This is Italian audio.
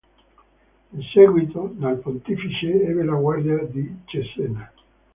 In seguito dal pontefice ebbe la guardia di Cesena.